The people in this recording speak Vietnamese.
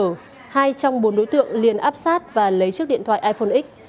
hai trong bốn đối tượng liền áp sát và lấy chiếc điện thoại iphone x